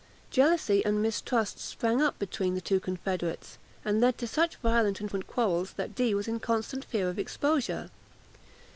Jealousy and mistrust sprang up between the two confederates, and led to such violent and frequent quarrels, that Dee was in constant fear of exposure.